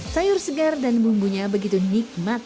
sayur segar dan bumbunya begitu nikmat